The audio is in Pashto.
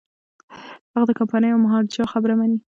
هغه د کمپانۍ او مهاراجا خبره مني.